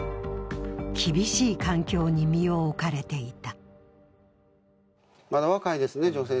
厳しい環境に身を置かれていた。